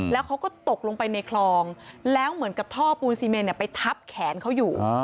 แล้วเขาก็ตกลงไปในคลองแล้วเหมือนกับท่อปูนซีเมนไปทับแขนเขาอยู่